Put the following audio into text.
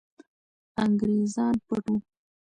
انګریزان پټ وو.